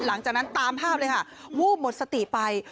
หลังจากนั้นตามภาพเลยค่ะวูบหมดสติไป